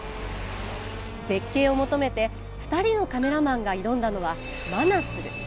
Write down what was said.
絶景を求めて２人のカメラマンが挑んだのはマナスル。